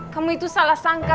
kamu itu salah sangka